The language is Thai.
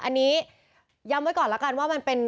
อันนี้ย้ำไว้ก่อนแล้วกันว่ามันเป็น